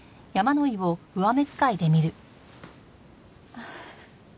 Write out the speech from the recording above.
ああ。